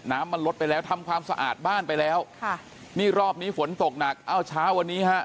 น้ำมันลดไปแล้วทำความสะอาดบ้านไปแล้วค่ะนี่รอบนี้ฝนตกหนักเอ้าเช้าวันนี้ฮะ